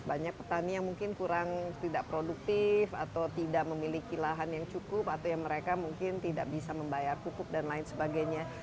banyak petani yang mungkin kurang tidak produktif atau tidak memiliki lahan yang cukup atau yang mereka mungkin tidak bisa membayar pupuk dan lain sebagainya